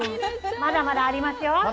まだまだ、ありますよ。